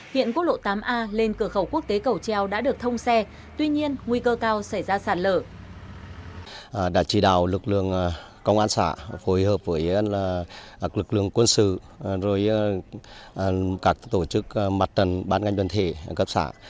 hiện quốc lộ tám a lên cửa khẩu quốc tế cầu treo đã được thông xe tuy nhiên nguy cơ cao xảy ra sạt lở